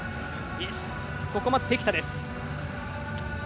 ここはまず関田です。